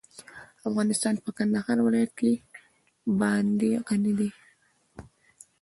افغانستان په کندهار ولایت باندې غني دی.